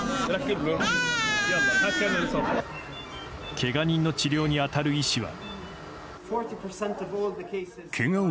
けが人の治療に当たる医師は。